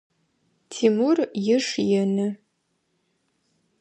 Тимур иш ины.